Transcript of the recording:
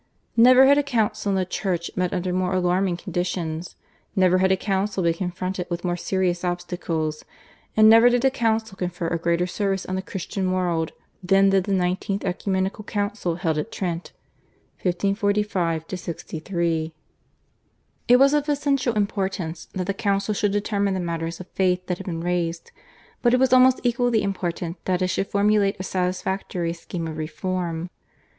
Never had a council in the Church met under more alarming conditions; never had a council been confronted with more serious obstacles, and never did a council confer a greater service on the Christian world than did the 19th ecumenical council held at Trent (1545 63). It was of essential importance that the council should determine the matters of faith that had been raised, but it was almost equally important that it should formulate a satisfactory scheme of reform.